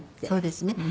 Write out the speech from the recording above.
そうですね。